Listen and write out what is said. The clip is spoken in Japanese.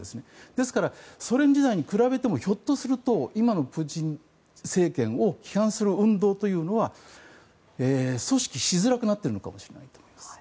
ですからソ連時代に比べてもひょっとすると今のプーチン政権を批判する運動というのは組織しづらくなっているのかもしれません。